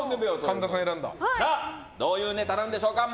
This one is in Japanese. どういうネタなんでしょうか。